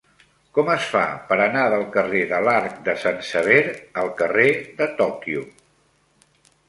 Com es fa per anar del carrer de l'Arc de Sant Sever al carrer de Tòquio?